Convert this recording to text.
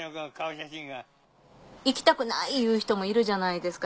行きたくないいう人もいるじゃないですか。